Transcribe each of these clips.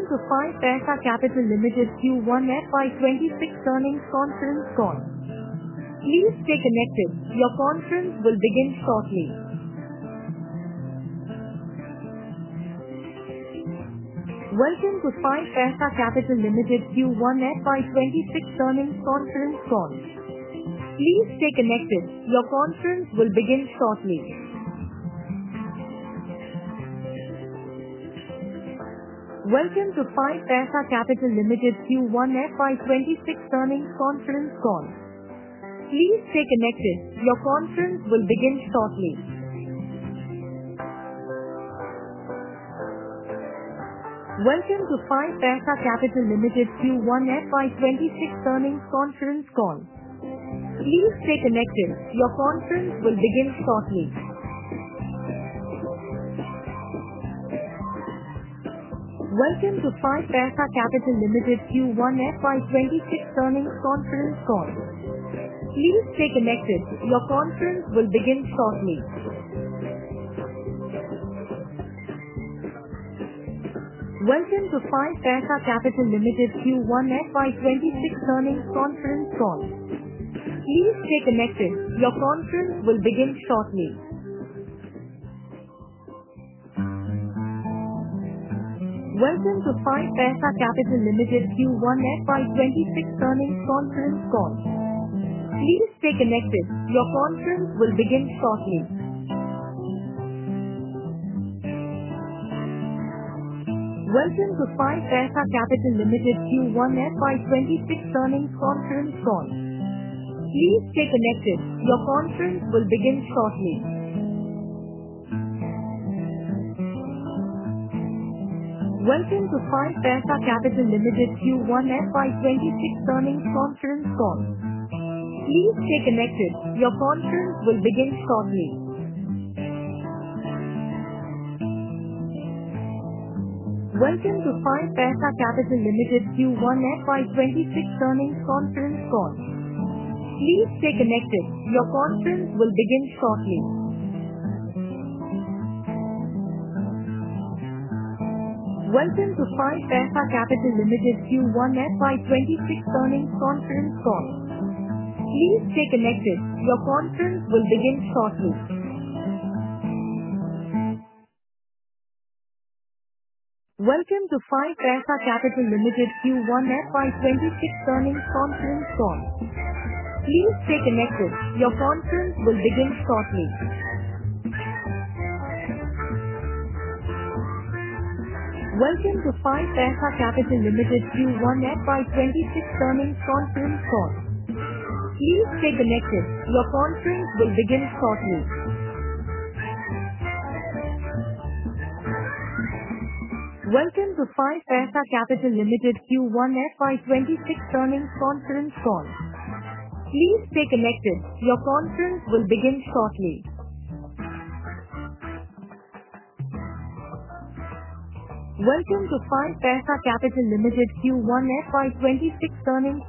Welcome to 5paisa Capital Ltd Q1 FY 2026 earnings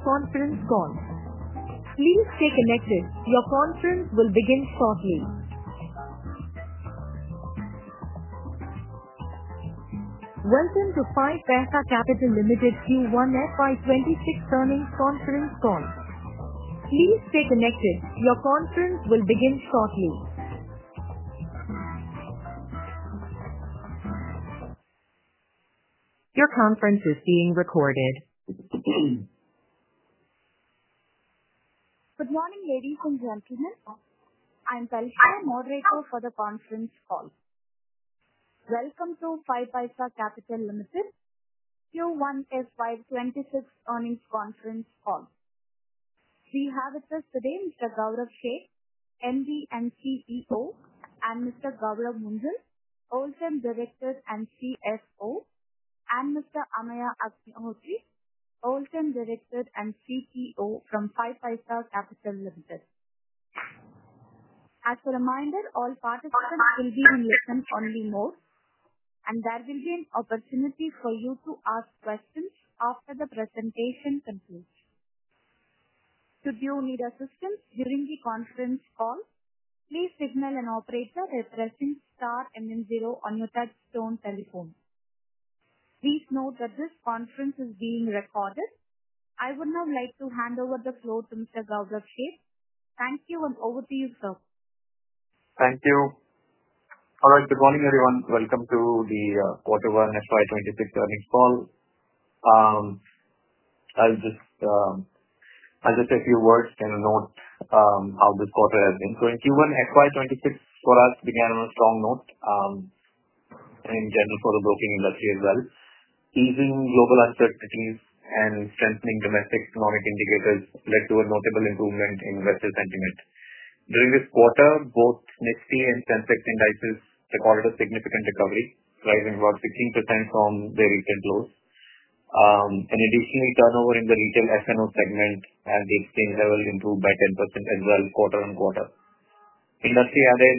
conference call. Please stay connected. Your conference will begin shortly. Your conference is being recorded. Good morning, ladies and gentlemen. I am Kalsha, moderator for the conference call. Welcome to 5paisa Capital Ltd Q1 FY 2026 earnings conference call. We have with us today Mr. Gaurav Seth, MD and CEO, and Mr. Gourav Munjal, Whole-Time Director and CFO, and Mr. Ameya Agnihotri, Whole-Time Director and CTO from 5paisa Capital Ltd. As a reminder, all participants can view the meeting list and follow more, and there will be an opportunity for you to ask questions after the presentation concludes. Should you need assistance during the conference call, please signal an operator by pressing star and then zero on your touchstone telephone. Please note that this conference is being recorded. I would now like to hand over the floor to Mr. Gaurav Seth. Thank you and over to you, sir. Thank you. All right. Good morning, everyone. Welcome to the Q1 FY 2026 earnings call. I'll just say a few words in a note on how this quarter has been going. Q1 FY 2026 for us began on a strong note, and in general, for the brokering industry as well. Easing global uncertainties and strengthening domestic economic indicators led to a notable improvement in the Western continent. During this quarter, both and Sensex indices recorded a significant recovery, rising about 16% from their recent lows. An additional turnover in the retail FNO segment and the exchange levels improved by 10% as well, quarter-on-quarter. The industry added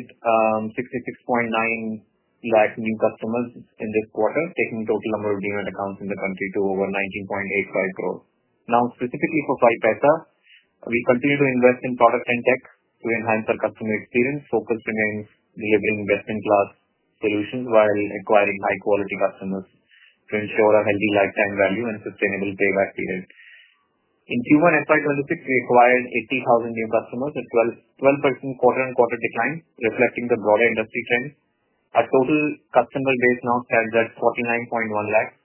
66.9 new customers in this quarter, taking the total number of demat accounts in the country to over 19.85 crore. Now, specifically for 5paisa, we continue to invest in product and tech. We enhance our customer experience, focusing on delivering best-in-class solutions while acquiring high-quality customers to ensure a healthy lifetime value and a sustainable payback period. In Q1 FY 2026, we acquired 80,000 new customers with a 12% quarter-on-quarter decline, reflecting the broader industry trend. Our total customer base now stands at 48.1 lakh.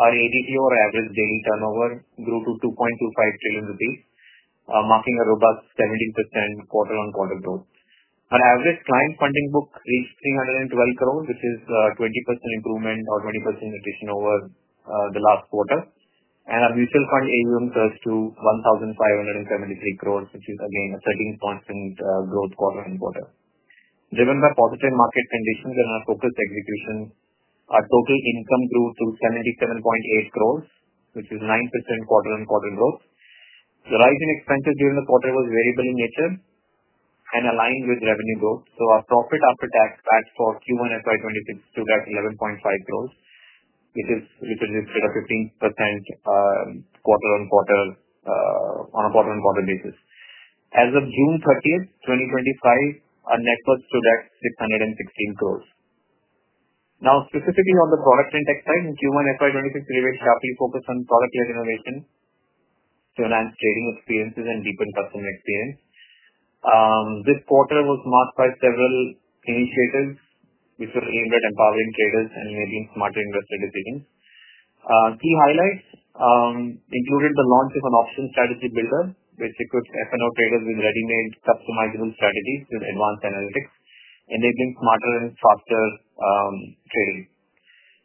Our ADTO, or average daily turnover, grew to 2.25 trillion rupees, marking a robust 17% quarter-on-quarter growth. Our average client funding book reached 312 crore, which is a 20% increase over the last quarter. Our mutual fund AUM surged to 1,573 crore, which is, again, a 13% growth quarter-on-quarter. Driven by positive market conditions and our focused execution, our total income grew to 77.8 crore, which is 9% quarter-on-quarter growth. The rising expenses during the quarter were variable in nature and aligned with revenue growth. Our profit after tax for Q1 FY 2026 stood at INR 11.5 crore, which is a 15% quarter-on-quarter increase. As of June 30, 2025, our net worth stood at 616 crore. Now, specifically on the product and tech side, in Q1 FY 2026, we were heavily focused on product-led innovation to enhance trading experiences and deepen customer experience. This quarter was marked by several initiatives, which have enabled empowering traders and enabling smarter investment decisions. Key highlights included the launch of an Option Strategy Builder, which equips F&O traders with ready-made customizable strategies with advanced analytics, enabling smarter and faster trading.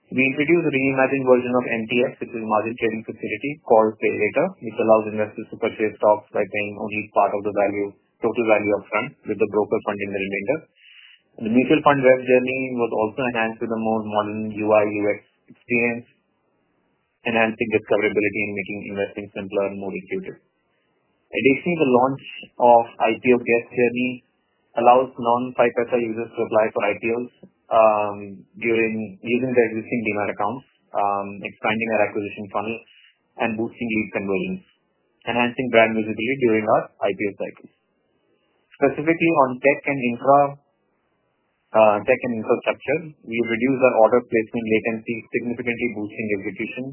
We introduced a reimagined version of MTF, which is a margin trading facility called Pay Later, which allows investors to purchase stocks by paying only part of the total value, with the broker funding the remainder. The mutual fund web journey was also enhanced with a more modern UI/UX experience, enhancing discoverability and making investing simpler and more intuitive. Additionally, the launch of IPO Get Journey allows non-5paisa users to apply for IPOs using their existing demat accounts, expanding our acquisition funnel and boosting lead conversions, enhancing brand visibility during our IPO cycle. Specifically on tech and infrastructure, we reduced our order placement latency, significantly boosting execution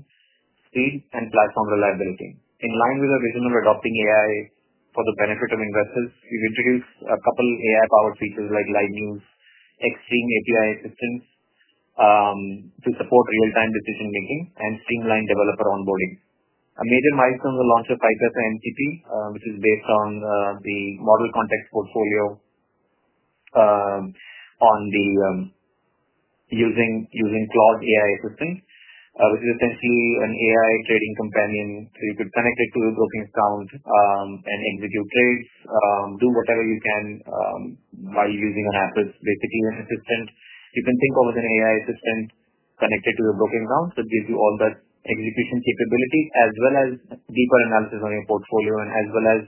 speed and platform reliability. In line with our vision of adopting AI for the benefit of investors, we introduced a couple of AI-powered features like live news, extreme API assistance to support real-time decision-making, and streamlined developer onboarding. A major milestone was the launch of 5paisa MCP, which is based on the model context portfolio using Claude AI Assistant, which is essentially an AI trading companion. You could connect it to your broking account and execute trades, do whatever you can by using an app that's basically an assistant. You can think of it as an AI assistant connected to your broking account. It gives you all that execution capability, as well as deeper analysis on your portfolio, and as well as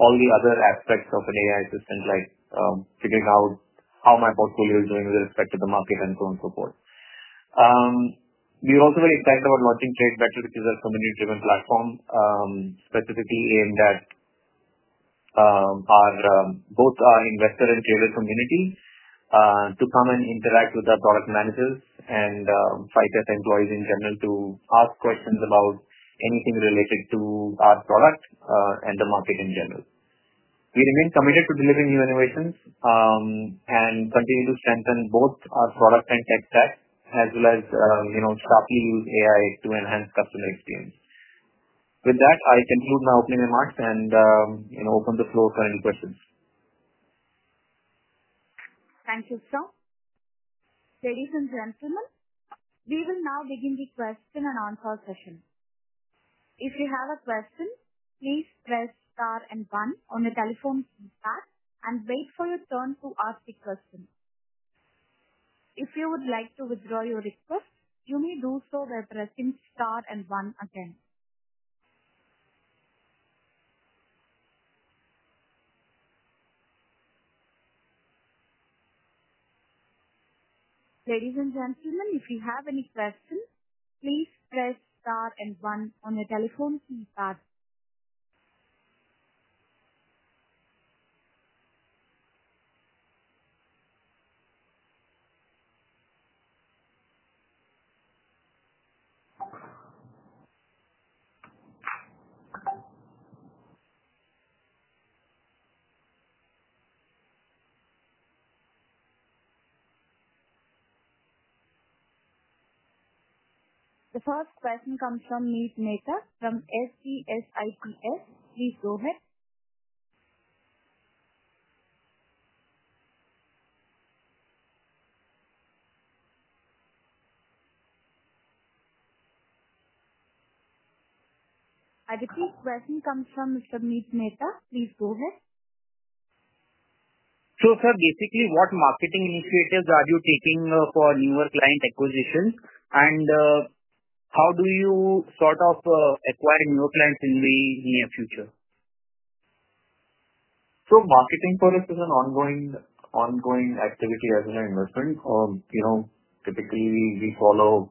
all the other aspects of an AI assistant, like figuring out how my portfolio is doing with respect to the market, and so on and so forth. We were also very excited about launching TradeVector because it's a community-driven platform, specifically aimed at both our investor and trader community to come and interact with our product managers and 5paisa employees in general to ask questions about anything related to our product and the market in general. We remain committed to delivering new innovations and continue to strengthen both our product and tech staff, as well as sharply use AI to enhance customer experience. With that, I conclude my opening remarks and open the floor for any questions. Thank you, sir. Ladies and gentlemen, we will now begin the question and answer session. If you have a question, please press star and one on your telephone's keypad and wait for your turn to ask the question. If you would like to withdraw your request, you may do so by pressing star and one again. Ladies and gentlemen, if you have any questions, please press star and one on your telephone's keypad. The first question comes from Meet Mehta from SGSITS. Please go ahead. Our question comes from Mr. Meet Mehta. Please go ahead. Basically, what marketing initiatives are you taking for newer client acquisitions? How do you sort of acquire new clients in the near future? Marketing for us is an ongoing activity as an investment. Typically, we follow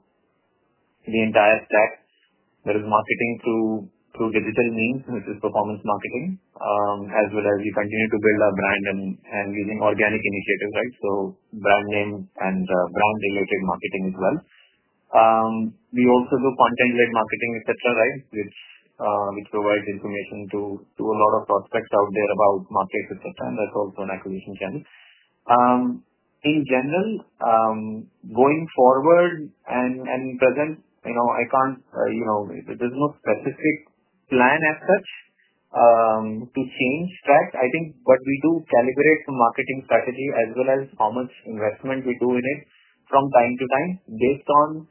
the entire stack. There is marketing through digital means, which is performance marketing, as well as we continue to build our brand using organic initiatives, right? Brand name and brand-related marketing as well. We also do content-led marketing, etc., which provides information to a lot of prospects out there about markets, etc. That's also an acquisition channel. In general, going forward and present, there's no specific plan as such to change track. I think what we do is calibrate the marketing strategy, as well as how much investment we do in it from time to time, based on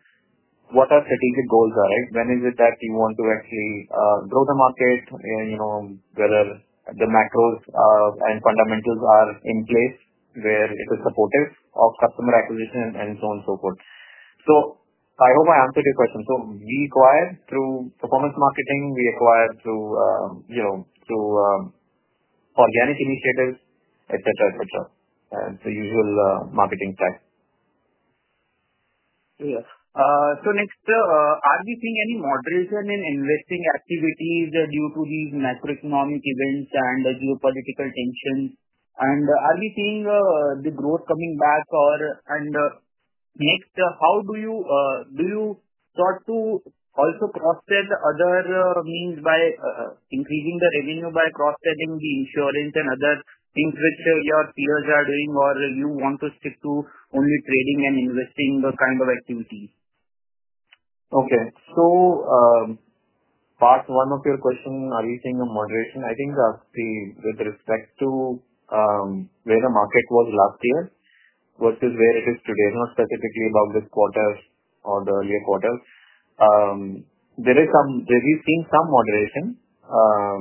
what our strategic goals are, right? When is it that you want to actually grow the market? Whether the macros and fundamentals are in place, where it is supportive of customer acquisition, and so on and so forth. I hope I answered your question. We acquire through performance marketing. We acquire through organic initiatives, etc., etc. It's a usual marketing type. Yes. Are we seeing any moderation in investing activities due to these macroeconomic events and the geopolitical tensions? Are we seeing the growth coming back? How do you sort of also cross-sell other means by increasing the revenue by cross-selling the insurance and other things which your peers are doing? Do you want to stick to only trading and investing in the kind of activity? Okay. So, part one of your question, are you saying a moderation? I think it reflects to where the market was last year versus where it is today, not specifically about this quarter or the earlier quarter. There is some, we've seen some moderation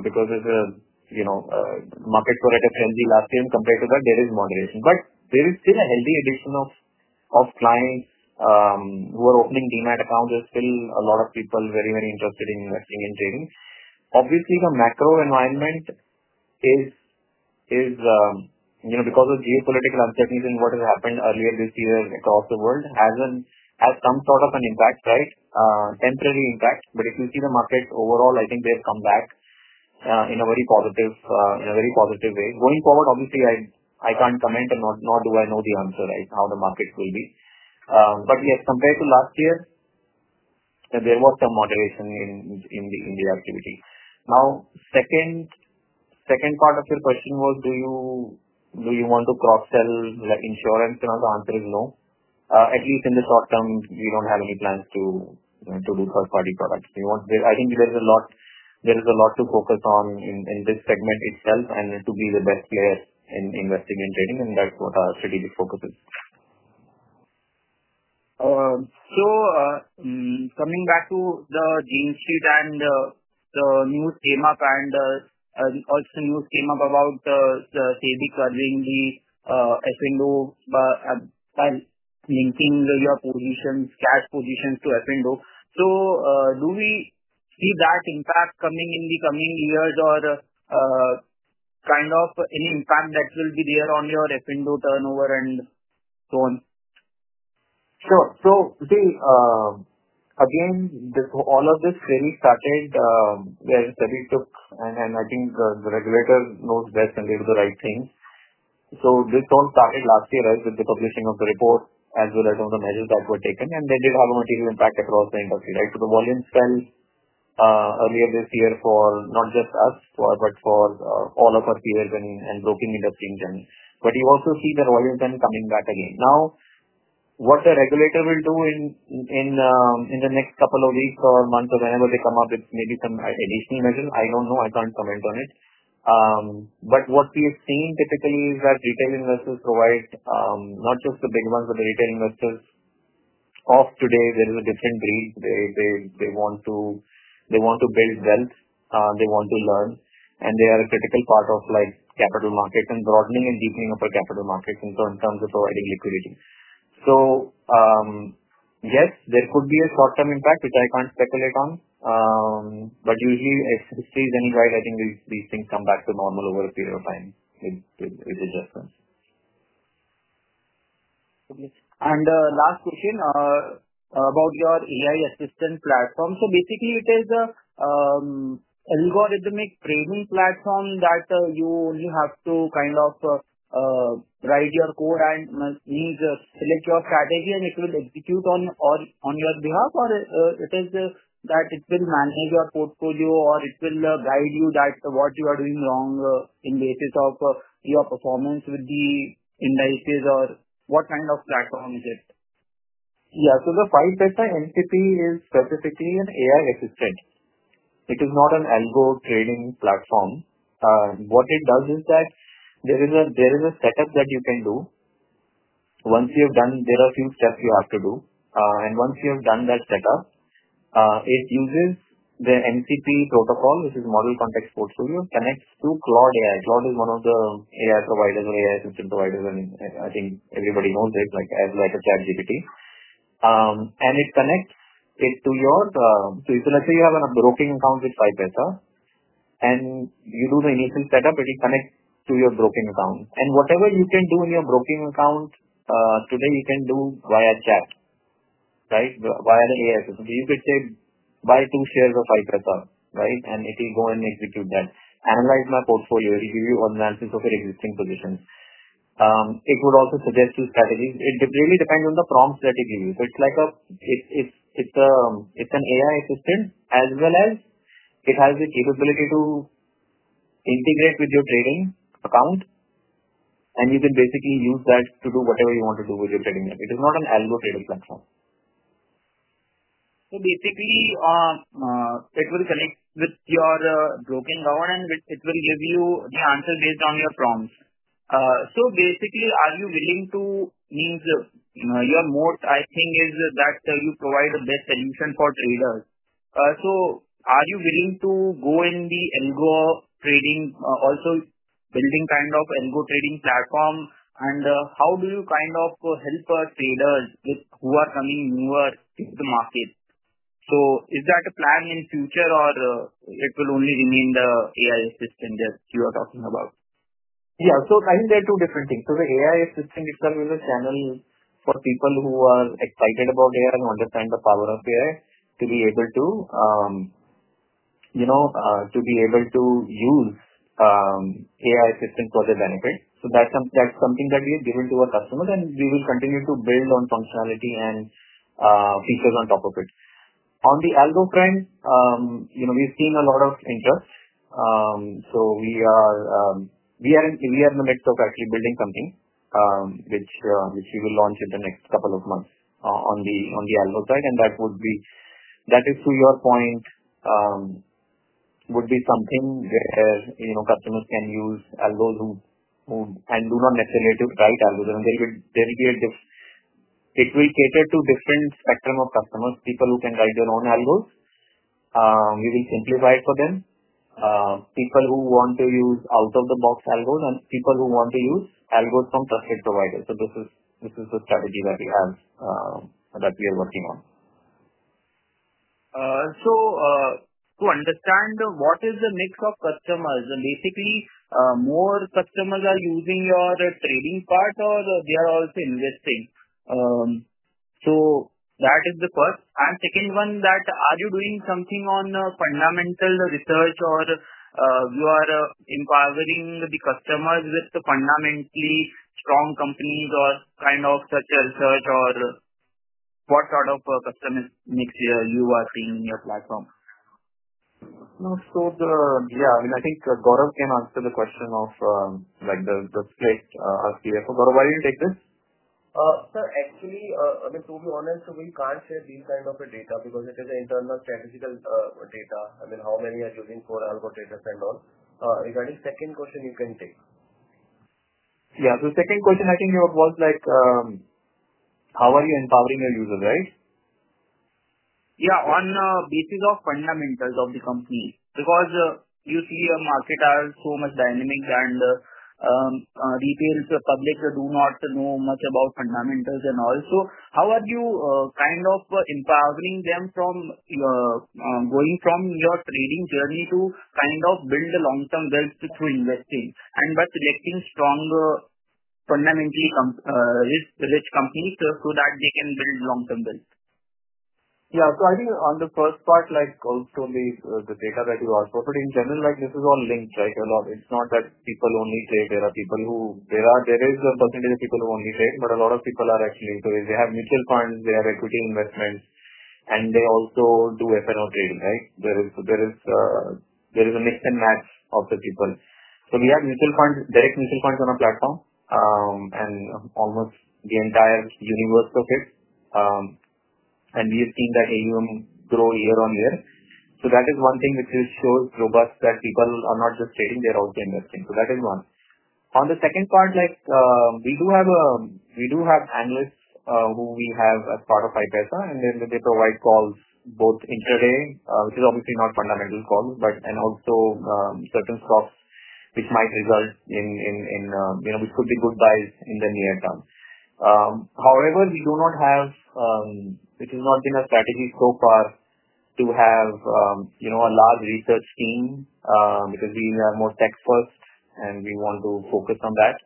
because there's a, you know, market correct activity last year. Compared to that, there is moderation. There is still a healthy addition of clients who are opening demat accounts. There's still a lot of people very, very interested in investing in trading. Obviously, the macro environment is, you know, because of geopolitical uncertainties and what has happened earlier this year across the world, has come sort of an impact, right? Temporary impact. If you see the markets overall, I think they've come back in a very positive way. Going forward, obviously, I can't comment and nor do I know the answer, right, how the markets will be. Yes, compared to last year, there was some moderation in the activity. Now, the second part of your question was, do you want to cross-sell insurance? The answer is no. At least in the short term, we don't have any plans to do first-party products. I think there is a lot to focus on in this segment itself and to be the best player in investing in trading. That's what our strategic focus is. Coming back to the GMC and the news came up, and also news came up about the [SEBI] F&O by linking your positions, cash positions to F&O. Do we see that impact coming in the coming years or kind of an impact that will be there on your F&O turnover and so on? Sure. All of this really started where, I think, the regulator knows best and did the right thing. This all started last year with the publishing of the report, as well as all the measures that were taken. They did have a material impact across the industry. The volume fell earlier this year for not just us, but for all of our peers and the broking industry in general. You also see the volume trend coming back again. What the regulator will do in the next couple of weeks or months or whenever they come up with maybe some additional measures, I don't know. I can't comment on it. What we have seen typically is that retail investors provide, not just the big ones, but the retail investors of today, there is a different breed. They want to build wealth. They want to learn. They are a critical part of capital markets and broadening and deepening of our capital markets in terms of providing liquidity. Yes, there could be a short-term impact, which I can't speculate on. Usually, as the season dries, I think these things come back to normal over a period of time. It will just. The last question about your AI assistant platform. Basically, it is an algorithmic trading platform that you only have to kind of write your code and select your strategy, and it will execute on your behalf? Is it that it will handle your portfolio, or it will guide you on what you are doing wrong on the basis of your performance with the indices? What kind of platform is it? Yeah. The 5paisa MCP is specifically an AI assistant. It is not an algorithmic trading platform. What it does is that there is a setup that you can do. Once you have done, there are a few steps you have to do. Once you have done that setup, it uses the MCP protocol, which is model context portfolio, connects to Claude AI. is one of the AI system providers. I think everybody knows it, like as well as ChatGPT. It connects it to your, so let's say you have a broking account with 5paisa, and you do the initial setup, and it connects to your broking account. Whatever you can do in your broking account today, you can do via chat, right? Via the AI system. You could say, buy two shares of 5paisa, right? It will go and execute that, analyze my portfolio, and give you analysis of your existing positions. It would also suggest you strategies. It really depends on the prompts that it gives you. It's an AI assistant, as well as it has the capability to integrate with your trading account. You can basically use that to do whatever you want to do with your trading account. It is not an algorithmic platform. It will connect with your broking account, and it will give you the answer based on your prompts. Are you willing to use your mode, I think, is that you provide the best solution for traders? Are you willing to go into the algorithmic trading, also building kind of algorithmic trading platform? How do you help us, traders, who are coming newer to the market? Is that a plan in the future, or will it only remain the AI assistant that you are talking about? Yeah. There are two different things. The AI assistant itself is a channel for people who are excited about AI and understand the power of AI to be able to use AI assistants for their benefit. That's something that we have given to our customers, and we will continue to build on functionality and features on top of it. On the algorithmic side, we've seen a lot of interest. We are in the midst of actually building something, which we will launch in the next couple of months on the algorithmic side. That is, to your point, something where customers can use algorithms and do not necessarily write algorithms. They will be different. If we cater to a different spectrum of customers, people who can write their own algorithms, we will simplify it for them. People who want to use out-of-the-box algorithms and people who want to use algorithms from trusted providers. This is the strategy that we are working on. To understand what is the mix of customers, basically, more customers are using your trading part, or they are also investing? That is the first. The second one, are you doing something on the fundamental research, or you are empowering the customers with the fundamentally strong companies, or kind of such a research, or what sort of customer mix you are seeing in your platform? I think Gaurav can answer the question of like the first place asking you for Gaurav, why do you take this? Sir, actually, to be honest, we can't share this kind of data because it is internal technical data. I mean, how many are using for algorithmic data and all? Is there any second question you can take? Yeah. The second question, I think it was like, how are you empowering your users, right? Yeah, on the basis of fundamentals of the company. You see a market has so much dynamics and retailers publicly do not know much about fundamentals and all. How are you kind of empowering them from going from your trading journey to kind of build a long-term wealth through investing? By selecting strong fundamentally rich companies so that they can build a long-term wealth. Yeah. I think on the first part, like also the data that you asked for, in general, this is all linked, like a lot. It's not that people only trade. There are people who, there is a percentage of people who only trade, but a lot of people are actually trading. They have mutual funds, they have equity investments, and they also do F&O trading, right? There is a mix and match of the people. We have direct mutual funds on our platform, and almost the entire universe of it, and we have seen that AUM grow year-on-year. That is one thing which is sure robust, that people are not just trading, they're also investing. That is one. On the second part, we do have analysts who we have as part of 5paisa, and then they provide calls both intraday, which is obviously not fundamental calls, but also certain stocks which might result in, you know, which could be good buys in the near term. However, we do not have, which is not in our strategy so far, to have, you know, a large research team, because we are more tech-first and we want to focus on that,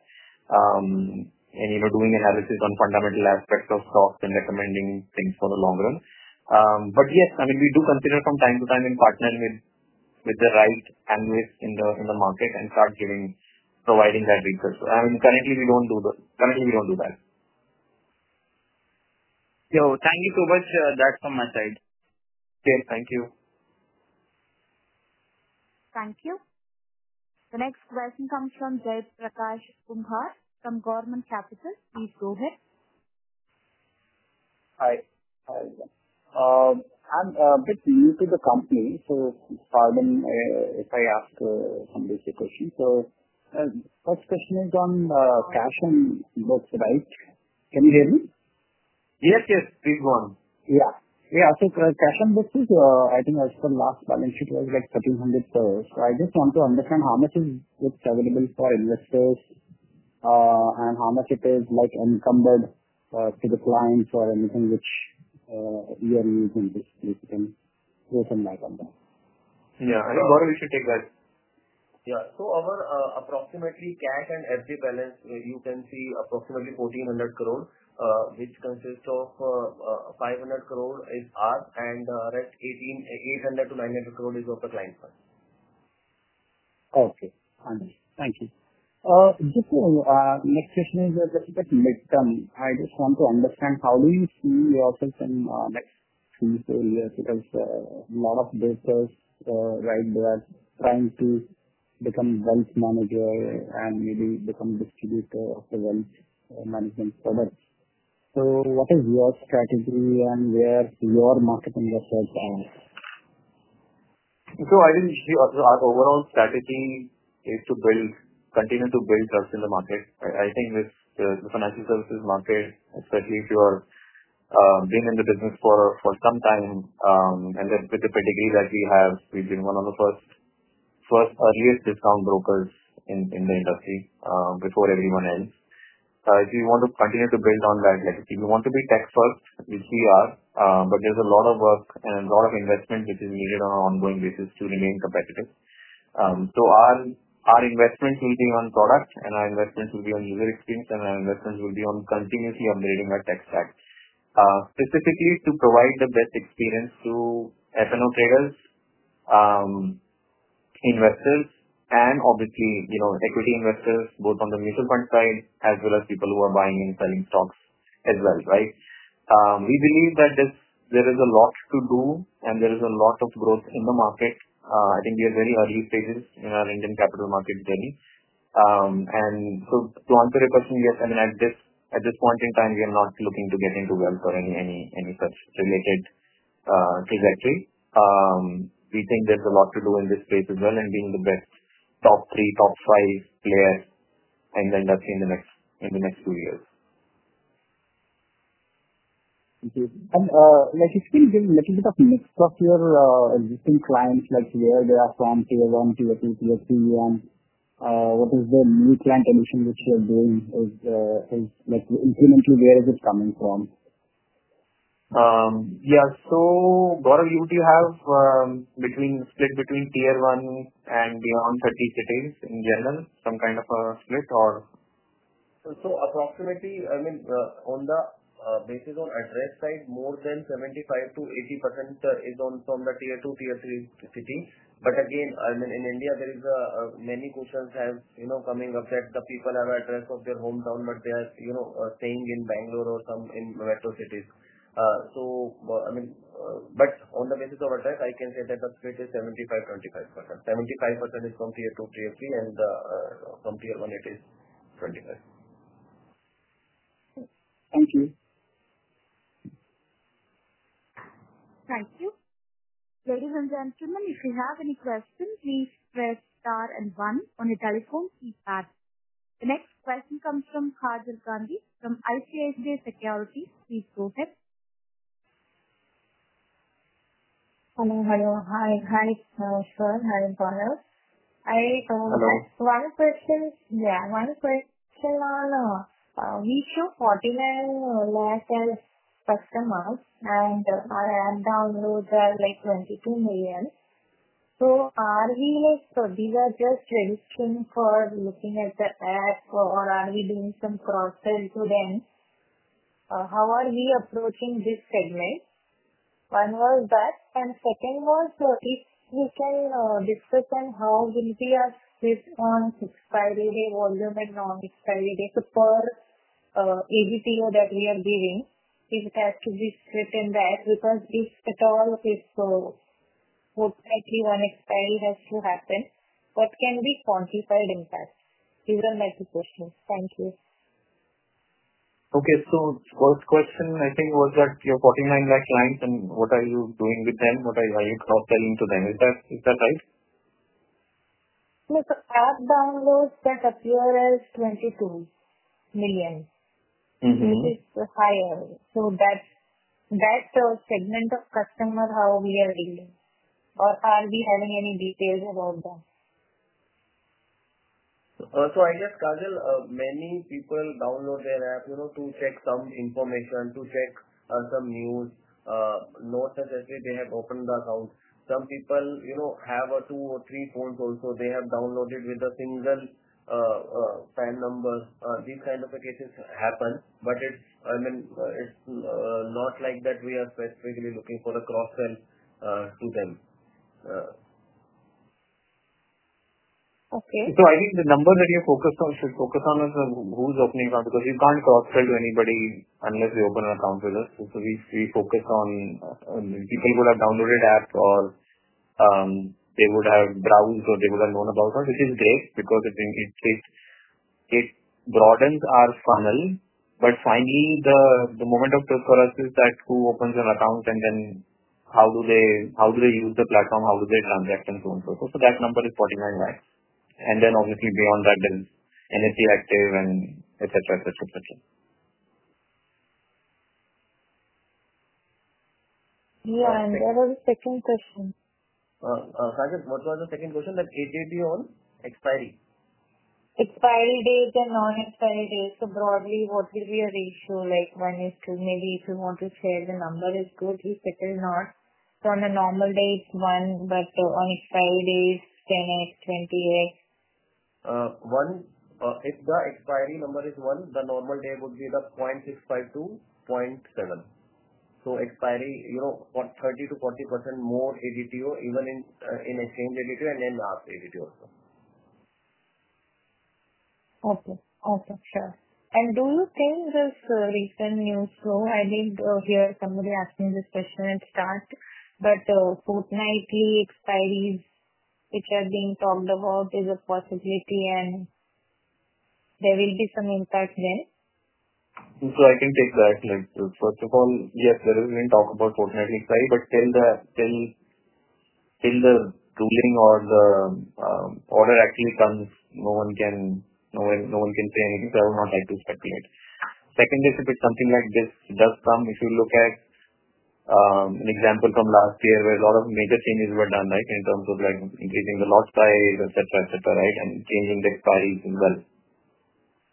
and you know, doing analysis on fundamental aspects of stocks and recommending things for the long run. Yes, I mean, we do consider from time to time partnering with the right analysts in the market and start giving, providing that research. Currently, we don't do that. Thank you so much. That's from my side. Sure. Thank you. Thank you. The next question comes from Jaiprakash Kumhar from Korman Capital. Please go ahead. Hi. I'm a bit new to the company, so pardon if I ask some basic questions. The first question is on cash and growth, right? Can you hear me? Yes, yes. Please go on. Yeah. Yeah. Cash and growth, I think I spoke last time. I think it was like [200 crore]. I just want to understand how much is it available for investors and how much it is encumbered to the clients or anything which you and me can go from that on. Yeah, Gaurav, you should take that. Yeah. Our approximately cash and FD balance, you can see approximately 1,400 crore, which consists of 500 crore is ours, and the rest 800 to 900 crore is of the client fund. Thank you. Before our next question, which is a little bit midterm, I just want to understand how do you view yourself in the next two to three years because a lot of brokers are right there trying to become wealth managers and maybe become distributors of the wealth management products. What is your strategy and where are your market investors? I think the overall strategy is to build, continue to build trust in the market. I think this is the financial services market, especially if you've been in the business for some time, and then with the pedigree that you have, we've been one of the first earliest discount brokers in the industry before everyone else. If you want to continue to build on that, like if you want to be tech-first, you are, but there's a lot of work and a lot of investment which is needed on an ongoing basis to remain competitive. Our investments will be on products, and our investments will be on user experience, and our investments will be on continuously updating our tech stack, specifically to provide the best experience to F&O traders, investors, and obviously, you know, equity investors, both on the mutual fund side, as well as people who are buying and selling stocks as well, right? We believe that there is a lot to do, and there is a lot of growth in the market. I think we are very early stages in our Indian capital market journey. To answer your question, yes. I mean, at this point in time, we are not looking to get into wealth or any such related trajectory. We think there's a lot to do in this space as well and being the best top three, top five players in the next two years. Okay. Let's still give a few minutes to talk to your existing clients, like where they are from tier 1, tier 2, tier 3, and what is the new client addition which you're doing. Like incrementally, where is it coming from? Yeah. Gaurav, you have between split between tier one and beyond 30 cities in general, some kind of a split or? Approximately, on the address side, more than 75% to 80% is from the tier 2, tier 3 city. In India, there are many questions coming up that people have addresses from their hometown, but they're staying in Bangalore or some in metro cities. On the basis of a track, I can say that the split is 75% and 25%. 75% is from tier 2, tier 3, and from tier 1, it is 25%. Okay. Thank you. Ladies and gentlemen, if you have any questions, please press star and one on your telephone keypad. The next question comes from Kajal Gandhi from ICIC Securities. Please go ahead. Hello, hello. Hi, hi. Sure. I'm Gaurav. Hello. I have one question. One question on, we show 49 lakh users as customers, and our downloads are like 22 million. Are we just, these are just registering for looking at the ads, or are we doing some cross-selling to them? How are we approaching this segment? One was that, and second was, if we can discuss on how will we assess on expiry date volume and non-expiry date for [ADTO] that we are giving, if it has to be split in that, because if the total of it, what exactly one expiry has to happen, what can be quantified in that? These are my two questions. Thank you. Okay. First question, I think, was that you have 49 lakh clients, and what are you doing with them? What are you selling to them? Is that right? With app downloads, that's as few as 22 million. It is higher. That's a segment of customer how we are dealing. Are we having any details about that? I guess, Kajal, many people download their app to check some information, to check some news, not necessarily they have to open the account. Some people have two or three phones also. They have downloaded with a single PAN number. These kinds of cases happen, but it's not like that we are specifically looking for a cross-sell to them. Okay. I think the number that we are focused on should focus on is who's opening account, because we can't cross-sell to anybody unless they open an account with us. We focus on people who have downloaded apps or they would have browsed or they would have known about us, which is great because it broadens our funnel. Finally, the moment of truth for us is that who opens an account and then how do they use the platform, how do they transact and so on and so forth. That number is 49 lakh. Obviously, beyond that is NSE active and etcetera, etcetera. What was the second question? Kajal, what was the second question? Like ADTO on expiry? Expiry days and non-expiry days. Broadly, what will be a ratio like 1x? Maybe if you want to share the number, it's good. If it is not, on a normal day, it's 1, but on expiry days, 10x, 20x. If the expiry number is 1, the normal day would be the 0.65 -0.7. Expiry, you know, 30 to 40% more ADTO, even in exchange ADTO, and then last ADTO also. Okay. Sure. Do you think this recent news flow, I did hear somebody asking this question at start, but fortnightly expiry, if you are being talked about, is a possibility and there will be some impact there? I can take that. First of all, yes, there has been talk about fortnightly expiry, but till the ruling or the order actually comes, no one can say anything. I will not like to speculate. Second is if something like this does come, if you look at an example from last year where a lot of major changes were done, right, in terms of increasing the lot size, etc., and changing the expiry as well,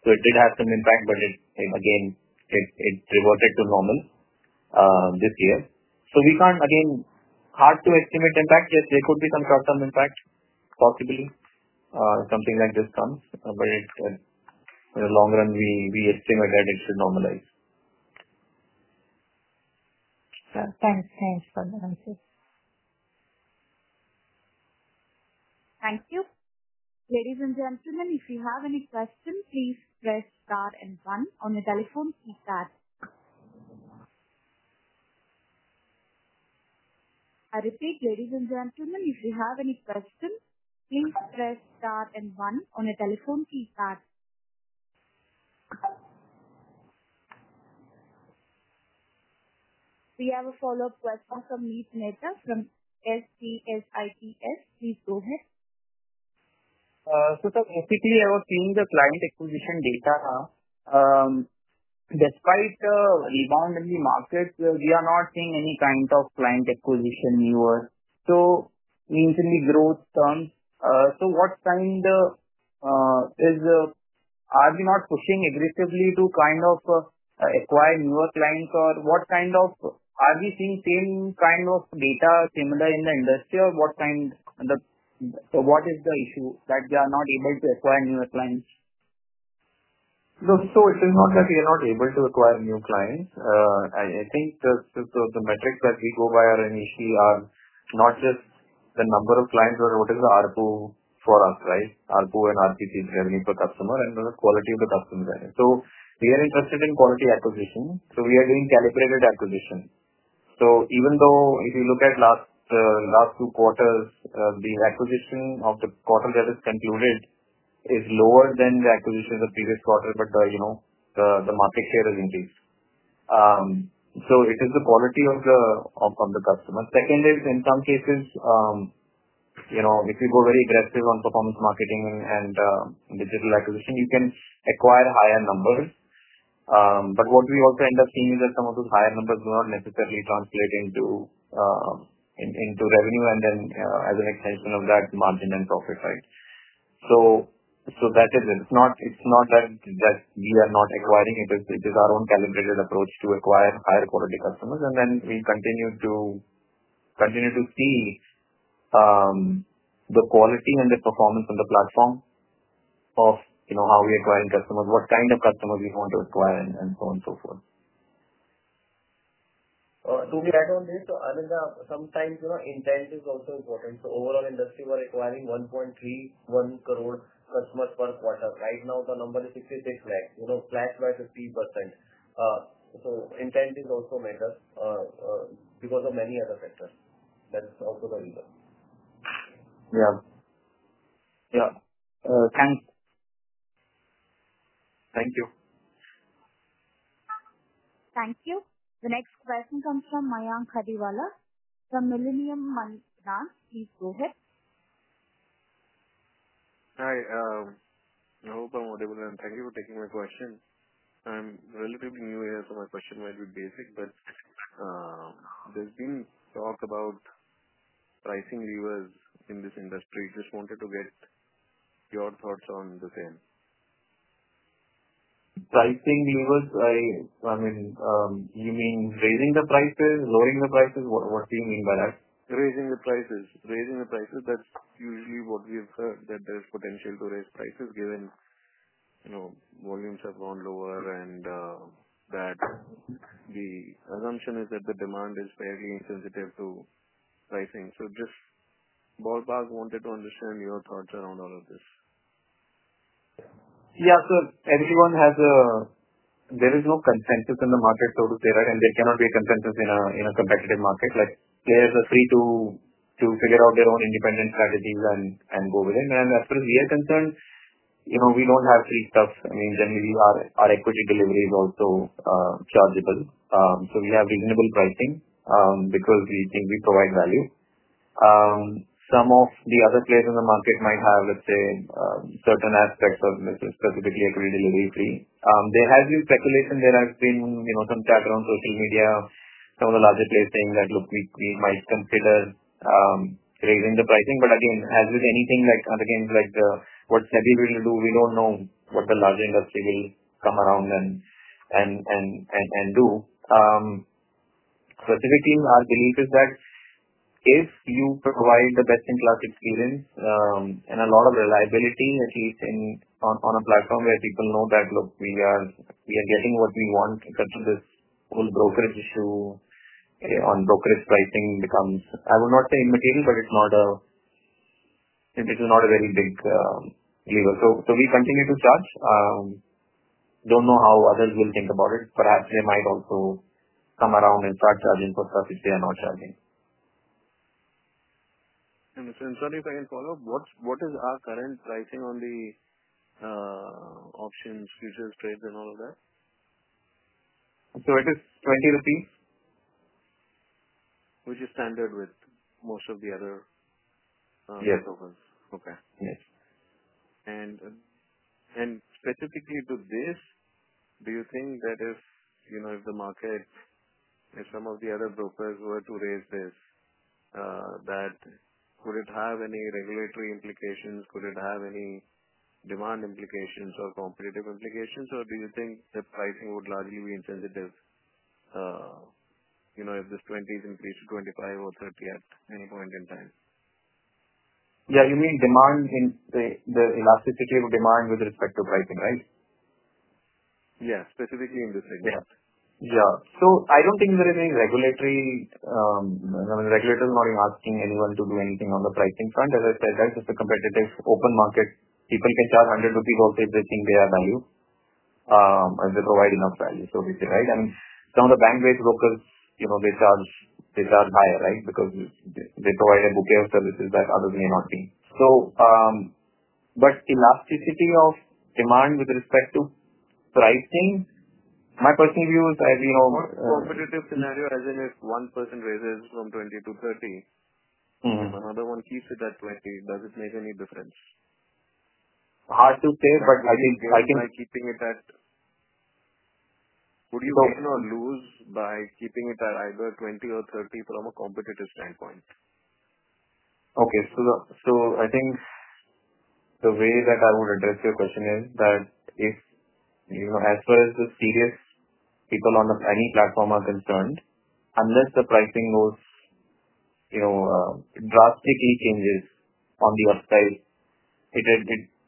it did have some impact, but it reverted to normal this year. We can't, again, hard to estimate impact. Yes, there could be some short-term impact, possibly, if something like this comes, but in the long run, we estimate that it should normalize. That's our response, Gaurav Seth. Thank you. Ladies and gentlemen, if you have any questions, please press star and one on your telephone keypad. I repeat, ladies and gentlemen, if you have any questions, please press star and one on your telephone keypad. We have a follow-up question from Meet Mehta from SGSITS. Please go ahead. Technically, we are not seeing the client acquisition data. Despite the rebound in the markets, we are not seeing any kind of client acquisition anywhere. We intend the growth terms. What kind of, are we not pushing aggressively to acquire newer clients? What kind of, are we seeing the same kind of data similar in the industry? What is the issue that we are not able to acquire newer clients? It's not that we are not able to acquire new clients. I think the metrics that we go by are not just the number of clients or what is the ARPU for us, right? ARPU and RPT is heavily per customer and the quality of the customer. We are interested in quality acquisition. We are doing calculated acquisition. Even though if you look at last two quarters, the acquisition of the quarter that is concluded is lower than the acquisition of the previous quarter, the market share has increased. It is the quality of the customer. In some cases, if you go very aggressive on performance marketing and digital acquisition, you can acquire higher numbers. What we also end up seeing is that some of those higher numbers do not necessarily translate into revenue and then as an extension of that margin and profit, right? That is it. It's not that we are not acquiring. It is our own calibrated approach to acquire higher quality customers. We continue to see the quality and the performance of the platform, of how we acquire customers, what kind of customers we want to acquire, and so on and so forth. To be back on this, I mean, sometimes intent is also important. Overall, industry we're acquiring 1.31 crorer customers per quarter. Right now, the number is INR 66 lakh, flat to a 50%. Intent is also meta because of many other factors that is also the reason. Yeah. Yeah. Thank you. The next question comes from Mayank Khadiwala from Millennium Money Finance. Please go ahead. Hi, thank you for taking my question. I'm relatively new here, so my question might be basic, but there's been talk about pricing levers in this industry. Just wanted to get your thoughts on the same. Pricing levers, I mean, you mean raising the prices, lowering the prices? What do you mean by that? Raising the prices, that's usually what we have heard, that there's potential to raise prices given volumes have gone lower and that the assumption is that the demand is fairly insensitive to pricing. Just ballpark, wanted to understand your thoughts around all of this. Yeah. Everyone has a, there is no consensus in the market, right? There cannot be a consensus in a competitive market. Players are free to figure out their own independent strategies and go with it. As far as we are concerned, you know, we don't have free stuff. I mean, generally, our equity delivery is also chargeable. We have reasonable pricing because we think we provide value. Some of the other players in the market might have, let's say, certain aspects of this, specifically equity delivery free. There has been speculation. There has been, you know, some background social media, some of the larger players saying that, "Look, we might consider raising the pricing." Again, as with anything, like what SEBI will do, we don't know what the larger industry will come around and do. Specifically, our belief is that if you provide the best-in-class experience and a lot of reliability, at least on a platform where people know that, "Look, we are getting what we want," such as this whole brokerage issue on brokerage pricing becomes, I will not say immaterial, but it's not a very big lever. We continue to charge. Don't know how others will think about it, but it might also come around and start charging for stuff if they are not charging. If I can follow up, what is our current pricing on the options, futures trades, and all of that? It is 20, which is standard with most of the other brokers. Yes. Okay. Yes. Specifically to this, do you think that if you know the market, if some of the other brokers were to raise this, could it have any regulatory implications? Could it have any demand implications or competitive implications? Do you think the pricing would largely be insensitive if this 20 is increased to 25 or 30 at any point in time? Yeah, you mean demand in the elasticity of demand with respect to pricing, right? Yes, specifically in this industry. Yeah. I don't think there is any regulatory, I mean, regulators are not asking anyone to do anything on the pricing front. As I said, that's just a competitive open market. People can charge INR 100 off everything they value, and they provide enough value, so to say, right? Some of the bank-based brokers, you know, they charge higher, right, because they provide a bouquet of services that others may not be. Elasticity of demand with respect to pricing, my personal view is, as you know. What if the scenario, as in if one person raises from 20 to 30, another one keeps it at 20, does it make any difference? Hard to say, I think keeping it at. Would you win or lose by keeping it at either 20 or 30 from a competitive standpoint? Okay. I think the way that I would address your question is that, as far as the serious people on the planning platform are concerned, unless the pricing drastically changes on the upside, it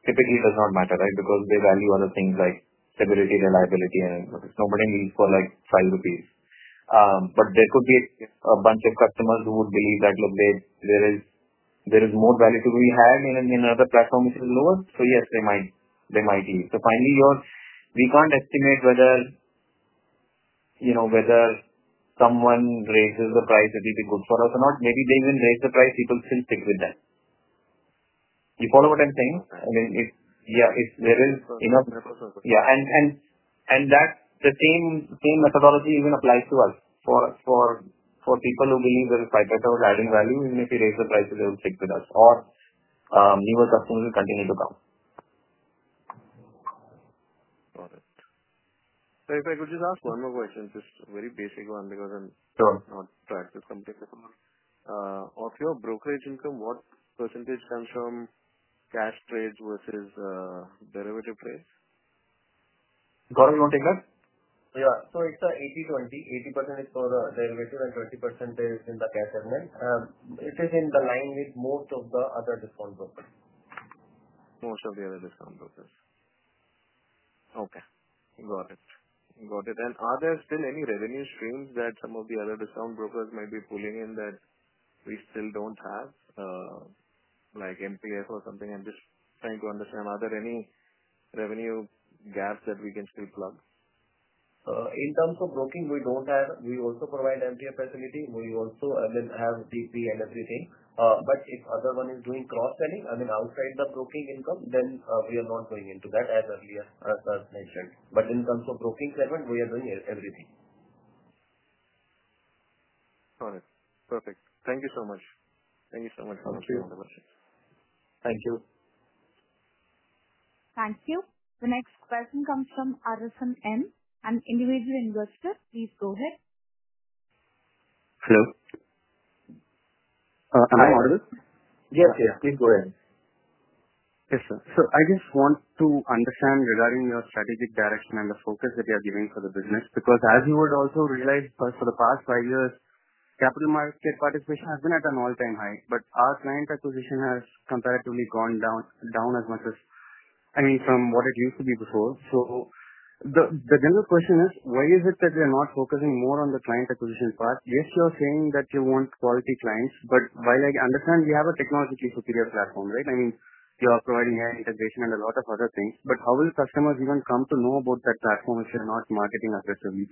typically does not matter, because they value other things like stability and reliability, and nobody leaves for 5 rupees. There could be a bunch of customers who would believe that, "Look, there is more value to be had in another platform which is lower." Yes, they might leave. Finally, you can't estimate whether someone raising the price would be good for us or not. Maybe they even raise the price and people still stick with that. You follow what I'm saying? If there is enough. Yeah. The same methodology even applies to us. For people who believe there is 5paisa that was adding value, we maybe raise the price a little bit with us, or newer customers will continue to come. Got it. If I could just ask one more question, just a very basic one because I'm not practicing technical. Of your brokerage income, what percentage comes from cash trades versus derivative trades? Gaurav, can you take that? Yeah. It's an 80% and 20%. 80% is for the derivatives and 20% is in the cash segment. It is in line with most of the other discount brokers. Most of the other discount brokers. Okay. Got it. Are there still any revenue streams that some of the other discount brokers might be pulling in that we still don't have, like MTF or something? I'm just trying to understand, are there any revenue gaps that we can still plug? In terms of broking, we don't have, we also provide MTF facility. We also, I mean, have DP and everything. If the other one is doing cross-selling, I mean, outside the broking income, then we are not going into that as earlier as mentioned. In terms of broking segment, we are doing everything. Got it. Perfect. Thank you so much. Thank you so much, Gaurav. Thank you. Thank you. The next question comes from Arashan M., an individual investor. Please go ahead. Hello. Am I moderate? Yes. Yes, please go ahead. Yes, sir. I just want to understand regarding your strategic direction and the focus that you are giving for the business because as you would also realize, for the past five years, capital market participation has been at an all-time high, but our client acquisition has comparatively gone down as much as, I mean, from what it used to be before. The general question is, why is it that we are not focusing more on the client acquisition part? Yes, you are saying that you want quality clients, but while I understand you have a technologically superior platform, right? I mean, you are providing AI integration and a lot of other things, but how will customers even come to know about that platform if they're not marketing aggressively?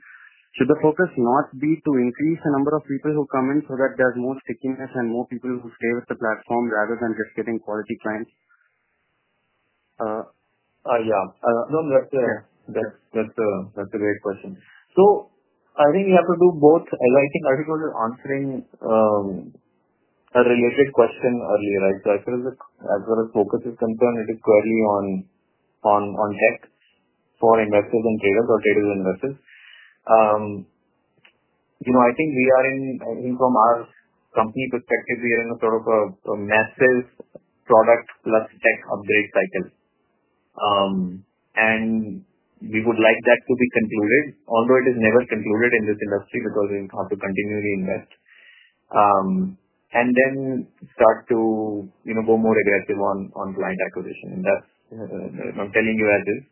Should the focus not be to increase the number of people who come in so that there's more stickiness and more people who stay with the platform rather than just getting quality clients? Yeah. No, that's a great question. I think we have to do both. I think I was answering a related question earlier, right? I said as far as focus is concerned, it is purely on tech for investors and traders or traders and investors. I think we are, from our company perspective, in a sort of a massive product plus tech upgrade cycle. We would like that to be concluded, although it is never concluded in this industry because we have to continually invest and then start to go more aggressive on client acquisition. That's, you know, I'm telling you as is.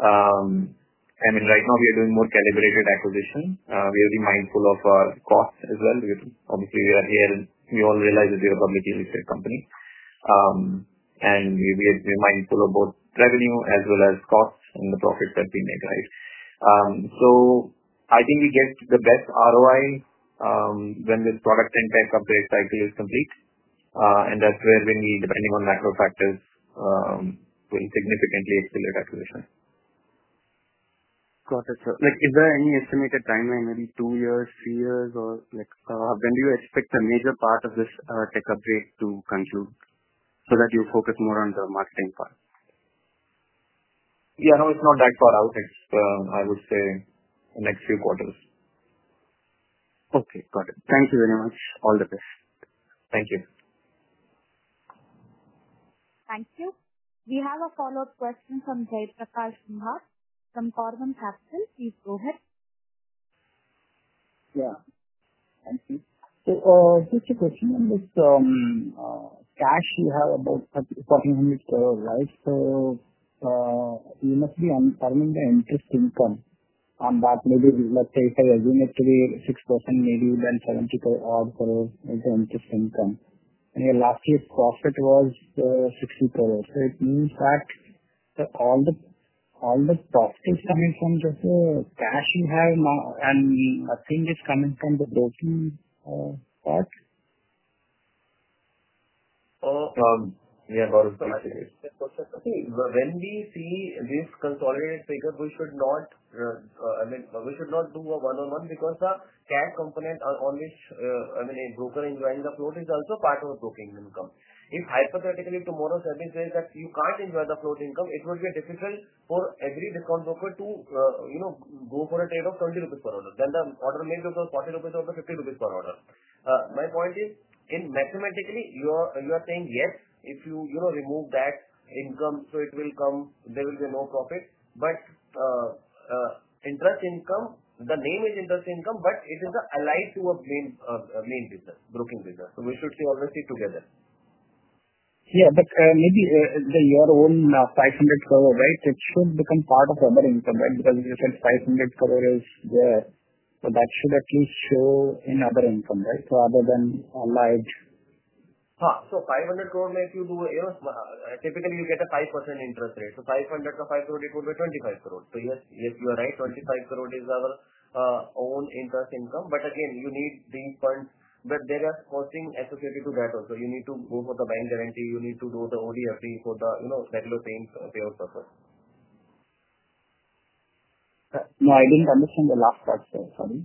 Right now, we are doing more calibrated acquisition. We are being mindful of our costs as well. Obviously, we are here, and we all realize that we are a committed research company. We are being mindful of both revenue as well as costs and the profit that we make, right? I think we get the best ROI when this product and tech upgrade cycle is complete. That's where we need, depending on macro factors, to pretty significantly accelerate acquisition. Got it, sir. Is there any estimated timeline, maybe two years, three years, or like when do you expect a major part of this tech upgrade to conclude so that you focus more on the marketing part? Yeah, no, it's not that far out. It's, I would say, the next few quarters. Okay. Got it. Thank you very much. All the best. Thank you. Thank you. We have a follow-up question from Jaiprakash Kumhar from Korman Capital. Please go ahead. Thank you. Such a question. Just, cash, we have about 1,400 crore, right? Even if we are turning the interest income on that, maybe we will have to say, let's say 6%, maybe then INR 70 crore of the interest income. Last year, profit was 60 crore. It means that all the profit is coming from the cash we have now, and nothing is coming from the broking. Yeah, Gaurav. When we see this consolidated figure, we should not, I mean, we should not do a one-on-one because the cash component on which, I mean, a broker enjoys the float, it's also part of the broking income. If hypothetically tomorrow's earnings say that you can't enjoy the float income, it would be difficult for every discount broker to go for a trade of 20 rupees per order. The order may go for 40 rupees or 50 rupees per order. My point is, mathematically, you are saying yes, if you remove that income, it will come, there will be no profit. Interest income, the name is interest income, but it is allied to a gain broking figure. We should see all this together. Yeah, but maybe your own 500 crore, right? It should become part of the other income, right? Because if you said 500 crore is there, that should at least show in other income, right? So, other than allied. 500 crore, if you do, typically, you get a 5% interest rate. 500 or 500 could be 25 crore. Yes, yes, you are right. 25 crore is our own interest income. Again, you need the funds, but there are costs associated to that also. You need to go for the bank guarantee. You need to do the OD/FD for the, you know, regular paying payout. No, I didn't understand the last part, sir. Sorry.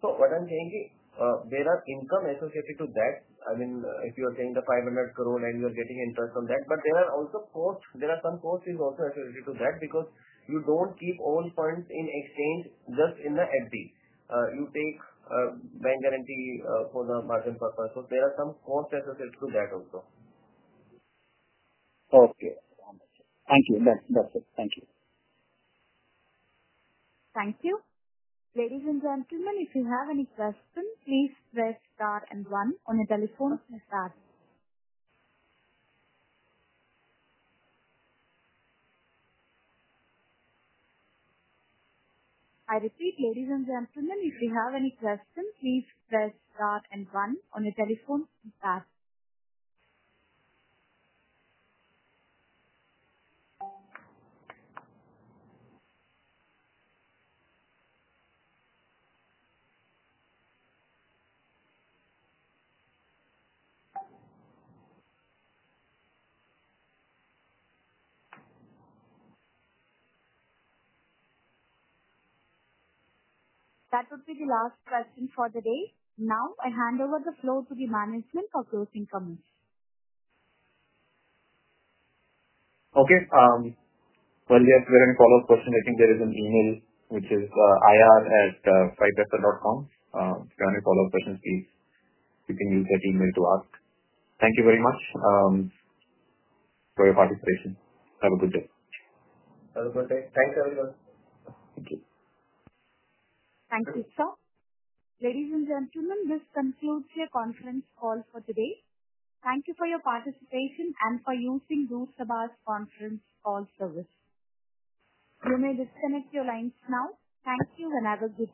What I'm saying is there are income associated to that. I mean, if you're paying the 500 crore and you're getting interest on that, but there are also costs. There are some costs also associated to that because you don't keep all funds in exchange, just in the FD. You take a bank guarantee for the margin purpose. There are some costs associated to that also. Okay. Thank you. That's it. Thank you. Thank you. Ladies and gentlemen, if you have any questions, please press star and one on your telephone keypad. I repeat, ladies and gentlemen, if you have any questions, please press star and one on your telephone keypad. That would be the last question for the day. Now, I hand over the floor to the management for closing comments. Okay. Unless there are any follow-up questions, I think there is an email which is ir@5paisa.com. If you have any follow-up questions, please, you can use that email to ask. Thank you very much for your participation. Have a good day. Have a good day. Thanks, everyone. Thank you, sir. Ladies and gentlemen, this concludes your conference call for today. Thank you for your participation and for using RootSabar's conference call service. You may disconnect your lines now. Thank you and have a good day.